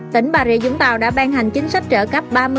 tỉnh bà rịa vũng tàu đã ban hành chính sách trợ cấp